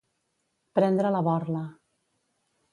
Prendre la borla.